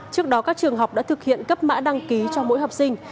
trước đó các trường học đã thực hiện cấp mã đăng ký cho mỗi học sinh